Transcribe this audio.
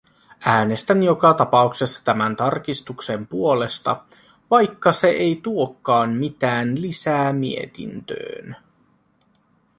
Äänestän joka tapauksessa tämän tarkistuksen puolesta, vaikka se ei tuokaan mitään lisää mietintöön.